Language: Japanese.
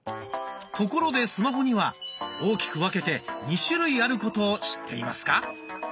ところでスマホには大きく分けて２種類あることを知っていますか？